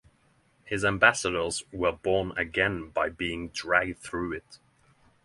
His ambassadors were born again by being dragged through it.